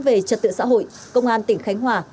về trật tự xã hội công an tỉnh khánh hòa